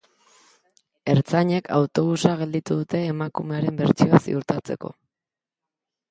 Ertzainek autobusa gelditu dute emakumearen bertsioa ziurtatzeko.